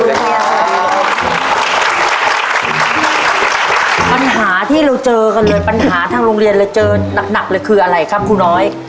ปัญหาที่เราเจอกันเลยปัญหาทางโรงเรียนเลยเจอหนักเลยคืออะไรครับครูน้อย